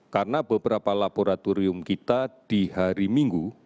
karena beberapa laboratorium kita di hari minggu